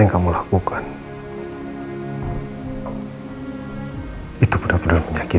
jangan lupa like share dan subscribe